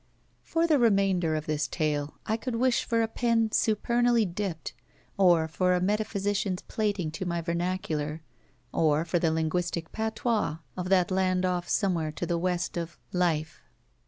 For the remainder of this tale, I could wish for a pen supemally dipped, or for a metaphysician's plating to my vernacular, or for the linguistic patois of that land off somewhere to the west of Life.